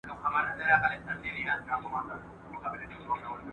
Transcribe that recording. تفریحي زده کړه ذهن خلاصوي.